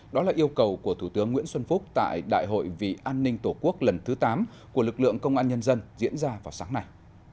đó là yêu cầu của thủ tướng nguyễn xuân phúc tại đại hội vì an ninh tổ quốc lần thứ tám của lực lượng công an nhân dân diễn ra vào sáng nay